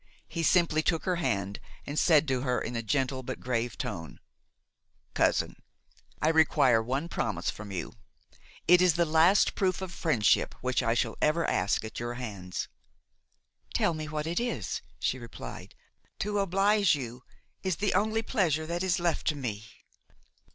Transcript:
He simply took her hand and said to her in a gentle but grave tone: "Cousin, I require one promise from you; it is the last proof of friendship which I shall ever ask at your hands." "Tell me what it is," she replied; "to oblige you is the only pleasure that is left to me."